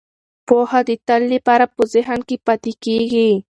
پوهه د تل لپاره په ذهن کې پاتې کیږي.